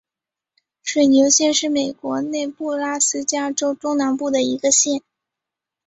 水牛县是美国内布拉斯加州中南部的一个县。